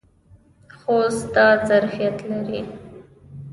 خوست دا ظرفیت لري.